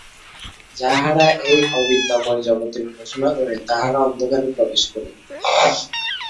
যাহারা এই অবিদ্যাময় জগতের উপাসনা করে, তাহারা অন্ধকারে প্রবেশ করে।